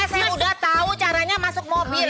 saya udah tahu caranya masuk mobil